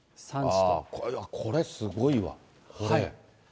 これ、すごいわ、これ。